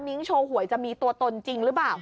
โชว์หวยจะมีตัวตนจริงหรือเปล่า